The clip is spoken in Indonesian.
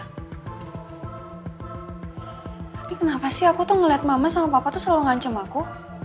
tapi kenapa sih aku tuh ngeliat mama sama papa tuh selalu ngancam aku